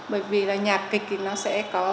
bởi vì là nhà kịch thì nó sẽ có